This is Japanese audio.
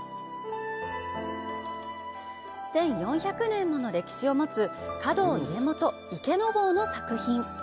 １４００年もの歴史を持つ華道家元・池坊の作品。